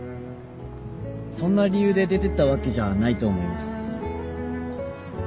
そんな理由で出てったわけじゃないと思います